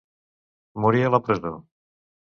Morí a la presó.